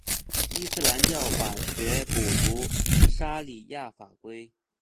伊斯兰教法学补足沙里亚法规。